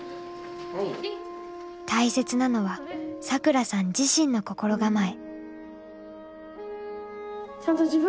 大切なのはサクラさん自身の心構え。